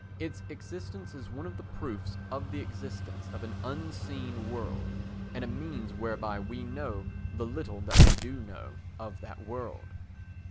Its existence is one of the proofs of the existence of an unseen world, and a means whereby we know the little that we do know of that world.